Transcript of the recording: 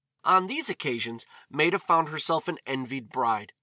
On these occasions, Maida found herself an envied bride.